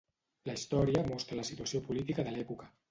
La història mostra la situació política de l'època.